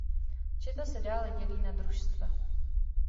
Četa se dále dělí na družstva.